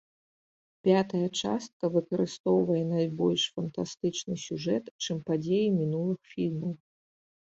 Пятая частка выкарыстоўвае найбольш фантастычны сюжэт, чым падзеі мінулых фільмаў.